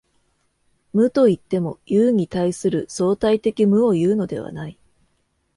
無といっても、有に対する相対的無をいうのではない。